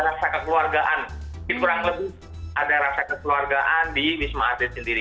rasa kekeluargaan kurang lebih ada rasa kekeluargaan di wisma atlet sendiri